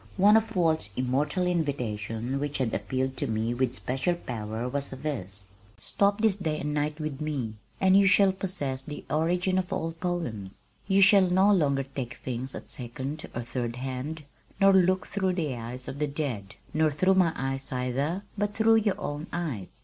One of Walt's immortal invitations which had appealed to me with special power was this: Stop this day and night with me And you shall possess the origin of all poems; You shall no longer take things at second or third hand Nor look through the eyes of the dead, Nor through my eyes either, But through your own eyes....